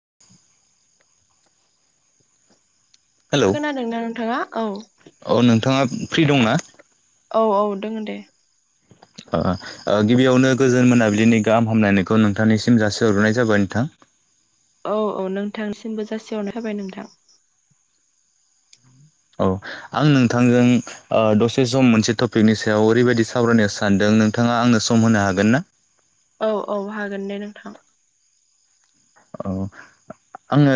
[unintelligible] खोनादोंना नोंथाङा औ। अ नोंथाङा फ्रि दंना? औ औ दोङो दे। गिबियावनो गोजोन मोनाबिलिनि गाहाम हामलायनायखौ नोंथांनिसिम जासिहरगोरनाय जाबाय नोंथां। औ औ नोंथांसिमबो जासिहरनाय थाबाय नोंथां औ आं नोंथांजों दसे सम मोनसे टपिकनि सायाव ओरैबायाददि सावरायनो सानदों नोंथाङा आंनो सम होनो हागोन ना? औ औ हागोन दे नोंथां। औ आङो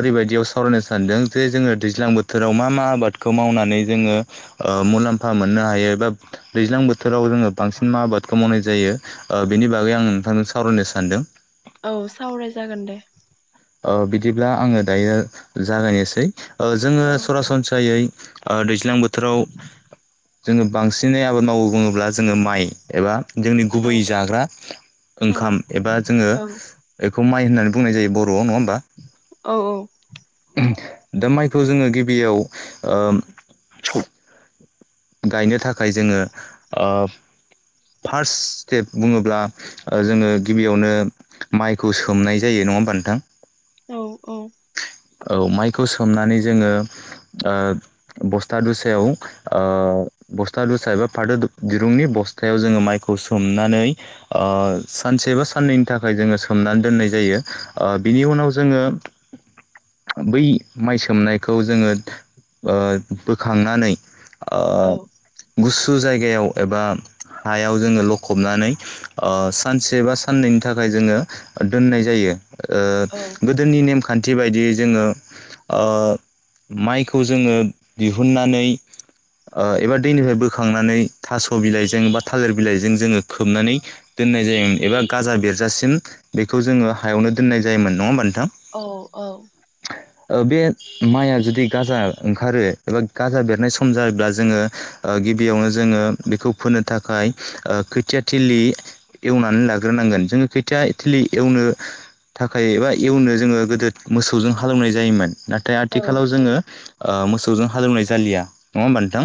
ओरैबायदियाव सावरायनो सानदों जे जोङो दैज्लां बोथोराव मा मा आबादखौ मावनानै जोङो ओ मुनाम्फा मोननो हायो एबा दैज्लां बोथोराव जोङो बांसिन मा आबादखौ मावनाय जायो ओ बेनि बागै आं नोंथांजों सावरायनो सानदों औ सावराय जागोन दे। ओ बिदिब्ला आङो दायो जागायनोसै जोङो औ सरासन स्रायै ओ दैज्लां बोथोराव जोङो बांसिनै आबाद मावो बुङोब्ला जोङो माइ एबा जोंनि औ गुबै जाग्रा औ ओंखाम एबा जोङो औ बेखौ माइ होननानै बुंनाय जायो बर'आव नङा होनबा औ औ दा माइखौ जोङो गिबियाव ओ गायनो थाखाय जोङो ओ फार्स्ट स्टेप बुङोब्ला ओ जोङो गिबियावनो माइखौ सोमनाय जायो नङा होमबा नोंथां। औ औ औ माइखौ सोमनानै जोङो ओ बस्था दुसायाव ओ बस्था दुसा एबा फाथो दिरुंनि बस्थायाव जोङो माइखौ सोमनानै ओ सानसे बा साननैनि थाखाय जोङो सोमनानै दोननाय जायो ओ बिनि उनाव जोङो बै माइ सोमनायखौ जोङो ओ बोखांनानै ओ औ गुसु जायगायाव एबा हायाव जोङो लखबनानै ओ सानसे बा साननैनि थाखाय जोङो दोननाय जायो। ओ गोदोनि नेमखान्थि बायदियै जोङो ओ माइखौ जोङो दिहुननानै ओ एबा दैनिफ्राय बोखांनानै थास' बिलाइजों बा थालिर बिलाइजों जोङो खोबनानै दोननाय जायोमोन एबा गाजा बेरजासिम बेखौ जोङो हायावनो दोननाय जायोमोन नङा होमबा नोंथां औ औ ओ बे माइआ जुदि गाजा ओंखारो एबा गाजा बेरनाय सम जाब्ला जोङो ओ गिबियावनो जोङो बेखौ फोनो थाखाय ओ खोथिया थिलि एवनानै लाग्रोनांगोन जोङो खोथिया थिलि एवनो थाखाय एबा एवनो जोङो गोदो मोसौजों हालेवनाय जायोमोन नाथाय आथिखालाव जोङो ओ मोसौजों हालेवनाय जालिया। नंङा होनबा नोंथां?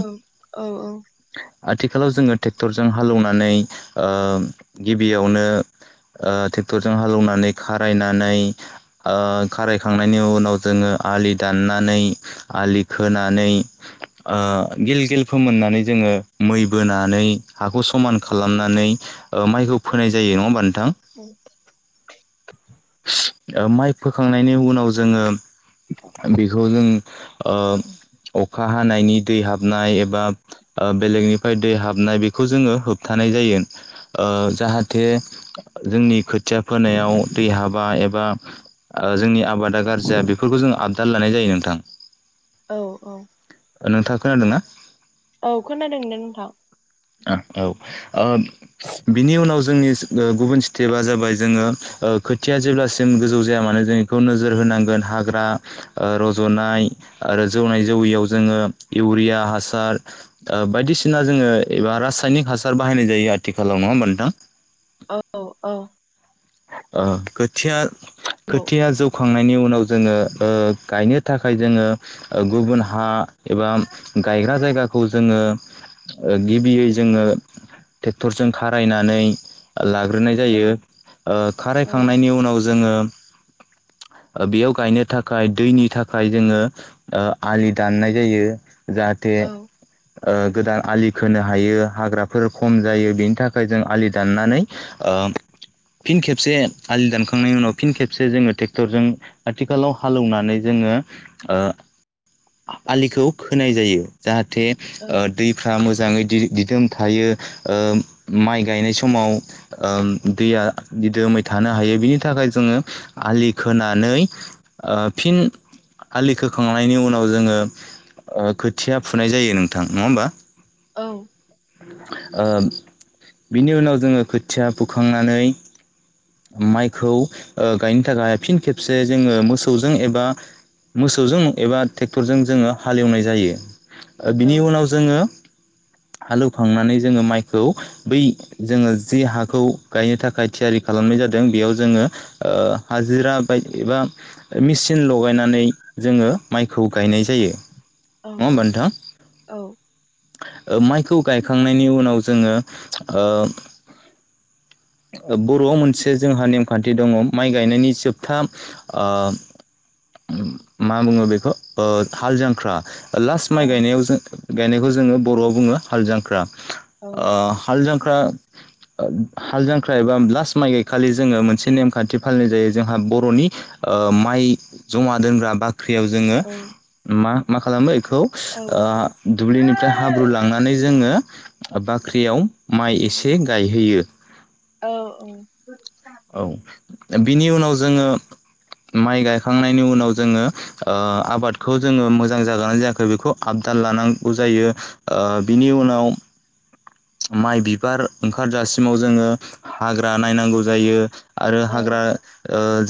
औ आथिखालाव जोङो टेक्टरजों हालेवनानै ओ गिबियावनो ओ टेक्टरजों हालौवनानै खारायनानै ओ खारायखांनायनि उनाव जोङो आलि दाननानै आलि खोनानै ओ गिल गिल फोमोननानै जोङो मै बोनानै हाखौ समान खालामनानै ओ माइखौ फोनाय जायो। नङा होमबा नोंथां? [unintelligible] माइ फोखांनायनि उनाव जोङो बेखौ जों ओ अखा हानायनि दै हाबनाय एबा ओ बेलेगनिफ्राय दै हाबनाय बेखौ जोङो होबथानाय जायो ओ जाहाथे जोंनि खोथिया फोनायाव दै हाबा ए बा ओ जोंनि आबादा गाज्रि जाया बेफोरखौ जों आबदाल लानाय जायो नोंथां। औ औ नोंथा खोनादों ना? औ खोनादों दे नोंथां। औ ओ बिनि उनाव जोंनि ओ गुबुन स्टेपा जाबाय जोङो ओ खोथिया जेब्लासिम गोजौ जाया मानो जों बेखौ नोजोर होनांगोन हाग्रा ओ रज'नाय आरो जौनाय जौयियाव जोङो इउरिया हासार ओ बायदिसिना जोङो एबा रासायनिक हासार बाहायनाय जायो आथिखालाव नङा होमबा नोंथां। औ औ खोथिया औ खोथिया जौखांनायनि उनाव ओ जोङो गायनो थाखाय जोङो गुबुन हा एबा गायग्रा जायगाखौ जोङो गिबियै जोङो ट्रेक्टरजों खारायनानै लाग्रोनाय औ जायो। औ खारायखांनायनि उनाव जोङो ओ बेयाव गायनो थाखाय दैनि थाखाय जोङो आलि दाननाय जायो जाहाथे औ गोदान आलि खोनो हायो हाग्राफोर खम जायो बेनि थाखाय जों आलि दाननानै ओम फिन खेबसे आलि दानखांनायनि उनाव फिन खेबसे जोङो ट्रेक्टरजों आथिखालाव हालौनानै जोङो आलिखौ खोनाय जायो। जाहाथे औ ओ दै फ्रा मोजाङै दिदोम थायो ओ माइ गायनाय समाव ओम दैया दिदोमै थानो हायो बिनि थाखाय जोङो आलि खोनानै ओ फिन आलि खोखांनायनि उनाव जोङो ओ खोथिया फुनाय जायो नोंथां नङा होमबा औ ओ बिनि उनाव जोङो खोथिया फुखांनानै माइखौ गायनो थाखाय फिन खेबसे जोङो मोसौजों एबा मोसौजों एबा टेक्टरजों जोङो हालेवनाय जायो बिनि उनाव जोङो हालौवखांनानै जोङो माइखौ बै जोङो जे हाखौ गायनो थाखाय थियारि खालामनाय जादों बेयाव जोङो ओ हाजिरा बाय एबा मेचिन लगायनानै जोङो माइखौ गायनाय जायो। औ नङा औ होमबा नोंथां औ। माइखौ गायखांनायनि उनाव जोङो ओ बर'आव मोनसे जोंहा नेमखान्थि दङ माइ गायनायनि जोबथा ओ मा बुङो बेखौ ओ हाल जांख्रा लास्ट माइ गायनायाव जो गायनायखौ जोङो बर'आव बुङो हाल जांख्रा। ओ हाल जांख्रा हाल जांख्रा एबा लास्ट माइ गायखालि जोङो मोनसे नेमखान्थि फालिनाय जायो जोंहा बर'नि माइ जमा दोनग्रा बा फाख्रियाव जोङो मा मा खालामो बेखौ औ औ ओ दुब्लिनि ओमफ्राय हाब्रु ओइ लांनानै जोङो बाख्रियाव माइ एसे गायहैयो। औ ओं [inaudible] औ बिनि उनाव जोङो माइ गायखांनायनि उनाव जोङो ओ आबादखौ जोङो मोजां जागोना जायाखै बेखौ आबदाल लानांगौ जायो। ओ बिनि उनाव माइ बिबार ओंखारजासिमाव जोङो हाग्रा नायनांगौ जायो। आरो औ हाग्रा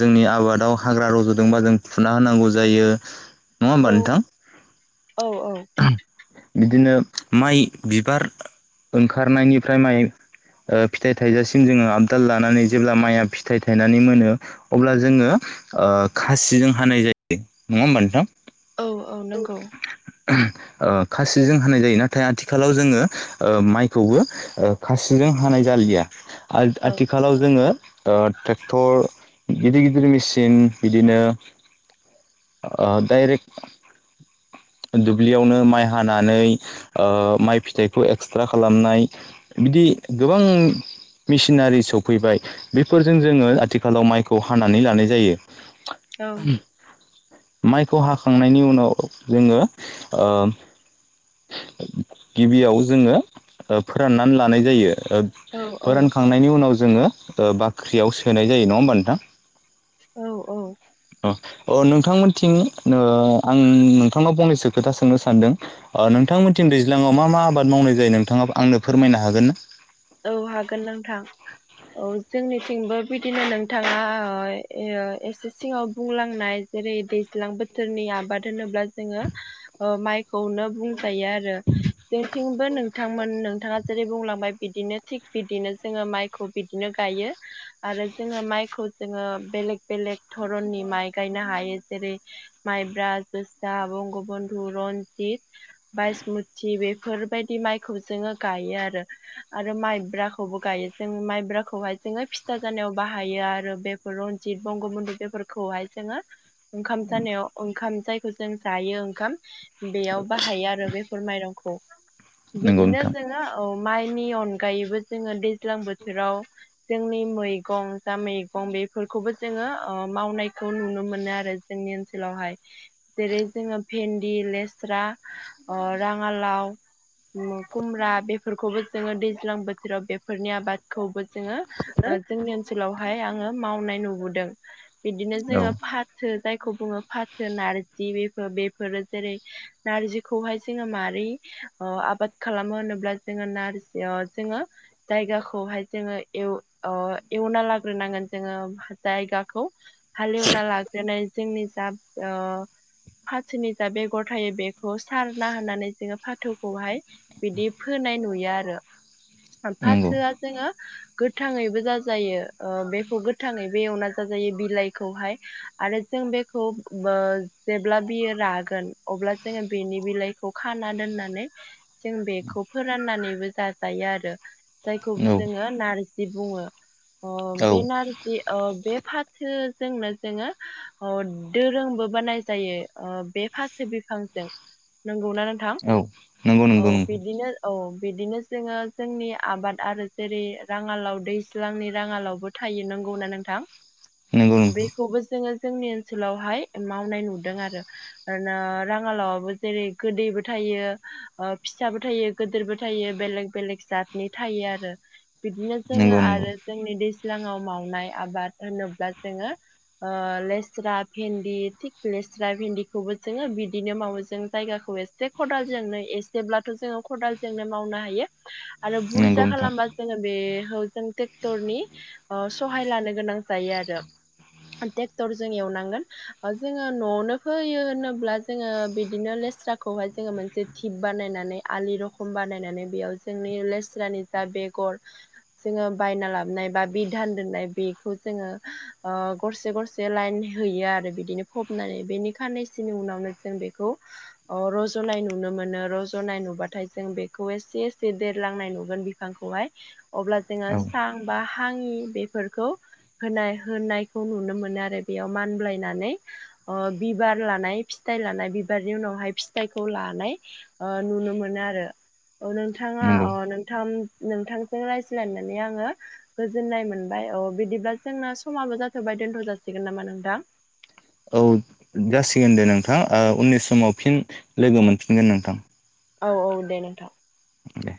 जोंनि आबादाव हाग्रा रज'दोंबा जों फुना होनांगौ जायो। नङा औ होमबा औ औ नोंथां बिदिनो माइ बिबार ओंखारनायनिफ्राय माइ फिथाइ थाइजासिम जोङो आबदाल लानानै जेब्ला माइया फिथाइ थायनानै मोनो अब्ला जोङो ओ खासिजों हानाय जायो नङा होमबा नोंथां? औ औ। नंगौ ओ खासिजों होनाय जायो नाथाय आथिखालाव जोङो माइखौबो ओ खासिजों हानाय जालिया आ औ आथि खालाव जोङो ओ ट्रेक्टर गिदिर गिदिर मेसिन बिदिनो अ डाइरेक्ट दुब्लियावनो माइ हानानै ओ माइ फिथाइखौ एक्सट्रा खालामनाय बिदि गोबां मेसिनारि सफैबाय बेफोरजों जोङो आथिखालाव माइखौ हानानै लानाय जायो। औ माइखौ हाखांनायनि उनाव जोङो ओ गिबियाव जोङो फोराननानै लानाय जायो। औ फोरानखांनायनि उनाव जोङो बाख्रियाव सोनाय जायो नङा होमबा नोंथां? औ औ। अ नोंथांमोनथिं ओ आं नोंथांनाव फंनैसो खोथा सोंनो सानदों। अ नोंथांमोनथिं दैज्लाङाव मा मा आबाद मावनाय जायो नोंथाङा आंनो फोरमायनो हागोन ना? औ हागोन नोंथां। औ जोंनिथिंबो बिदिनो नोंथाङा एसे सिङाव बुंलांनाय जेरै दैज्लां बोथोरनि आबाद होनोब्ला जोङो माइखौनो बुंजायो आरो। ओ जोंथिंबो नोंथांमोन नोंथाङा जेरै बुंलांबाय बिदिनो थिग बिदिनो जोङो माइखौ बिदिनो गायो आरो जोङो माइखौ जोङो बेलेग बेलेग धरननि माइ गायनो हायो जेरै माइब्रा, जोसा, बंगबन्ध, दुरन सि बासमुथि बेफोरबायदि माइखौ जोङो गायो आरो। आरो माइब्राखौबो गायो जों माइब्राखौहाय जोङो फिथा जानायाव बाहायो आरो बे रनजित बंगमध बेफोरखौहाय जोङो ओंखाम जानायाव ओंखाम जायखौ जों जायो ओंखाम बेयाव बाहायो आरो बेफोर माइरंखौ औ नंगौ बिदिनो नोंथां जोङो माइ नि अनगायैबो जोङो दैज्लां बोथोराव जोंनि मैगं जा मैगं बेफोरखौबो जोङो मावनायखौ नुनो मोनो आरो। जोंनि ओनसोलावहाय। जेरै जोङो भेन्दि लेस्रा ओ राङालाव खुमब्रा बेफोरखौबो जोङो दैज्लां बोथोराव बेफोरनि आबादखौबो जोङो जोंनि ओन ओनसोलावहाय आङो मावनाय नुबोदों। बिदिनो औ जोङो फाथो जायखौ बुङो फाथो नारजि बेफोर बेफोरो जेरै नारजिखौहाय जोङो मारै ओ आबाद खालामो होनोब्ला जोङो नारजि ओ जोङो जायगाखौहाय जोङो एवना लाग्रोनांगोन जोङो जायगाखौ। हालेवना लाग्रोनाय जोंनि जा ओ फाथोनि जा बेगर थायो बेखौ सारना होनानै जोङो फाथोखौहाय बिदि फोनाय नुयो आरो। नंगौ फाथोआ जोङो गोथाङैबो जाजायो बेखौ गोथाङै बे एवना जाजायो बिलाइखौहाय आरो जों बेखौ जेब्ला बियो रागोन अब्ला जोङो बेनि बिलाइखौ खाना दोननानै जों बेखौ फोराननानैबो जा जायो आरो। जायखौ जोङो नारजि बुङो। औ बे नार जि बे फाथोजोंनो जोङो दोरोंबो बानाय जायो। बे फाथो बिफांजों नंगौना नोंथां? औ नंगौ औ नंगौ नंगौ बिदिनो औ बिदिनो जोङो जोंनि आबाद आरो जेरै राङालाव दैज्लांनि राङालावबो थायो नंगौना नोंथां? नंगौ नोंथां बेखौबो जोङो जोंनि ओनसोलावहाय मावनाय नुदों आरो। आरो राङाालावाबो जेरै गोदैबो थायो ओ फिसाबो थायो गदिरबो थायो बेलेग बेलेग जातनि थायो आरो बिदिनो जोङो नंगौ नंगौ आरो जोंनि दैज्लाङाव मावनाय आबाद होनोब्ला जोङो ओ लेस्रा भेन्दि थिक लेस्रा भेन्दिखौबो जोङो बिदिनो मावो जों जायगाखौ ए जे खदालजोंनो एसेब्लाथ' जोङो खदालजोंनो मावनो हायो। आरो नंगौ बुरजा नोंथां खालामबा जोङो बे जों ट्रेक्टरनि सहाय लानो गोनां जायो आरो। ट्रेक्टर जों एवनांगोन जोङो न'आवनो फैयो होनोब्ला जोङो बिदिनो लेस्रा खौहाय जोङो मोनसे थिख बानायनानै आलि रखम बानायनानै बेयाव जोंनि लेस्रानि जा बेगर जोङो बायना लाबोन बा बि धान दोननाय बेखौ जोङो ओ गरसे गरसे जे लाइन हैयो आरो बिदिनो फबनानै बेनि खाननैसोनि उनावनो जों बेखौ अ रज'नाय नुनो मोनो रज'नाय नुबाथाय जों बेखौ एसे जे देरलांनाय नुगोन बिफांखौहाय अब्ला जोङो औ सां बा फाङि बेफोरखौ होनाय होनायखौ नुनो मोनो आरो बेयाव मानब्लायनानै ओ बिबार लानाय फि थाइ लानाय बिबारनि उनावहाय फिथाइखौ लानाय ओ नुनो मोनो आरो ओ नों थाङा नंगौ अ नोंथां नोंथांजों रायज्लायनानै आङो गोजोननाय मोनबाय अ बिदिब्ला जोंना समाबो जाथ'बाय दोनथ' जासिगोन नामा नोंथां? औ जासिगोन दे नोंथां ओ उननि समाव फिन लोगो मोनफिनगोन नोंथां। औ औ दे नोंथां। दे